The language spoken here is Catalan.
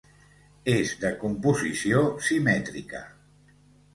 És de composició simètrica.